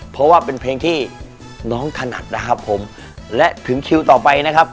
เพราะว่าเป็นเพลงที่น้องถนัดนะครับผมและถึงคิวต่อไปนะครับ